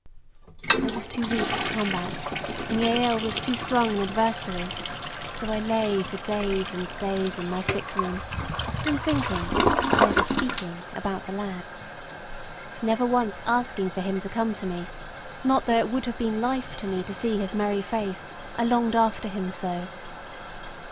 I was too weak to combat, and Jael was too strong an adversary; so I lay for days and days in my sick room, often thinking, but never speaking, about the lad. Never once asking for him to come to me; not though it would have been life to me to see his merry face I longed after him so.